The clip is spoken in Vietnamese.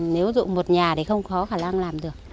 nếu dụng một nhà thì không khó khả năng làm được